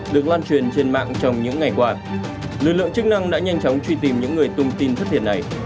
được lan truyền trên mạng trong những ngày qua lực lượng chức năng đã nhanh chóng truy tìm những người tung tin thất thiệt này